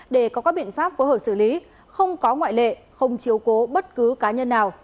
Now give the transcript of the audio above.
để có các biện pháp phối hợp xử lý không có ngoại lệ không chiếu cố bất cứ cá nhân nào